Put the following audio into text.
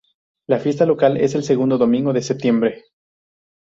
La fiesta local es el segundo domingo de septiembre.